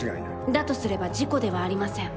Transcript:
だとすれば事故ではありません。